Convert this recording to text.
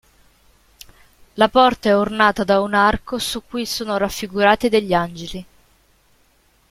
La porta è ornata da un arco su cui sono raffigurati degli angeli.